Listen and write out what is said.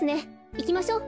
いきましょう。